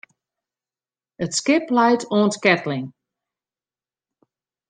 It skip leit oan 't keatling.